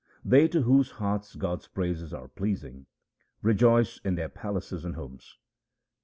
They to whose hearts God's praises are pleasing, rejoice in their palaces and homes.